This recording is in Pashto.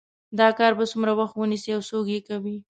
دا کار به څومره وخت ونیسي او څوک یې کوي